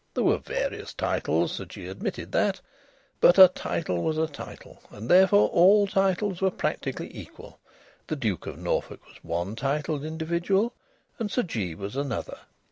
There were various titles Sir Jee admitted that but a title was a title, and therefore all titles were practically equal. The Duke of Norfolk was one titled individual, and Sir Jee was another.